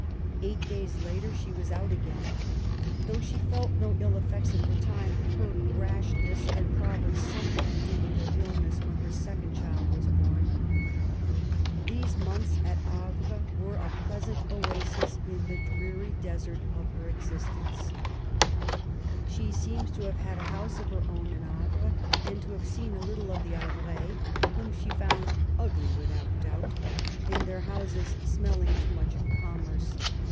Eight days later she was out again. 'Though she felt no ill efiects at the time, her rashness had probably something to do with her illness when her .second child was bom. These months at Havre were . a pleasant oasis in the dreary desert of hex ^^^\j^\!L^<i^. 134 MART W0LL8T0NEGBAFT GODWIN. She seems to have had a house of her own in Havre^ and to have seen a little of the Havrais, whom she found ^' ugly without doubt/' and their houses smelling too much of commerce.